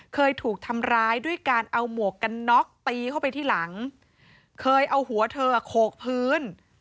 เคยถูกทำร้ายด้วยการเอาหมวกกันน็อกตีเข้าไปที่หลังเคยเอาหัวเธอโขกพื้น